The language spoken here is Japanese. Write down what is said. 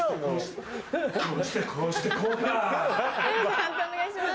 判定お願いします。